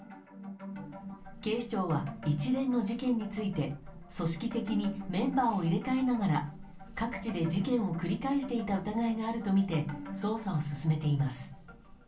警視庁は一連の事件について組織的にメンバーを入れ替えながら各地で事件を繰り返していた疑いがあるとみて捜査を進めています。